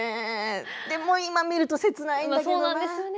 でも今見ると切ないですけどね。